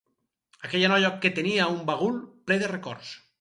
Aquella noia que tenia un bagul ple de records.